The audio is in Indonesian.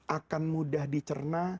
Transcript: akan mudah dicerna